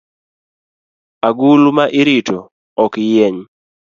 Agulu ma irito ok yieny